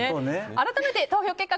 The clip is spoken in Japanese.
改めて投票結果